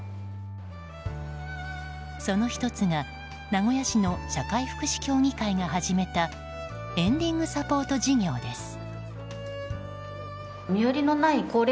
その１つが、名古屋市の社会福祉協議会が始めたエンディングサポート事業です。